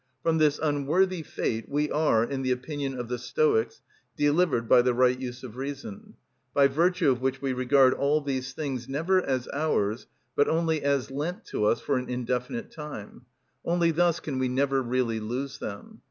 From this unworthy fate we are, in the opinion of the Stoics, delivered by the right use of reason, by virtue of which we regard all these things, never as ours, but only as lent to us for an indefinite time; only thus can we never really lose them.